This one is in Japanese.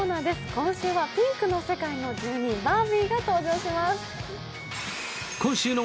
今週はピンクの世界の住人バービーが登場します。